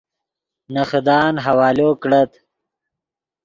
نے خدان حوالو کڑت